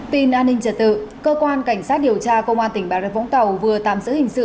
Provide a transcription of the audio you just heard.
tin an ninh trật tự cơ quan cảnh sát điều tra công an tỉnh bà rập vũng tàu vừa tạm giữ hình sự